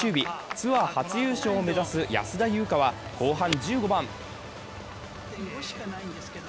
ツアー初優勝を目指す安田祐香は後半１５番。